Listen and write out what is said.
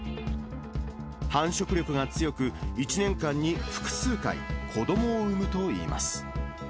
繁殖力が強く、１年間に複数回、子どもを産むといいます。